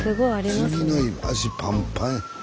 次の日足パンパンや。